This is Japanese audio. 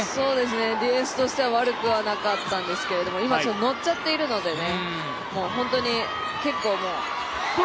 ディフェンスとしては悪くはなかったんですけど、今、乗っちゃっているのでね。